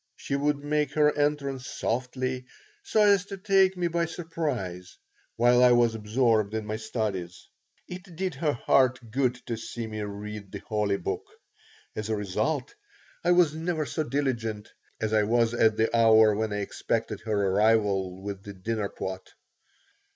She would make her entrance softly, so as to take me by surprise while I was absorbed in my studies. It did her heart good to see me read the holy book. As a result, I was never so diligent as I was at the hour when I expected her arrival with the dinner pot.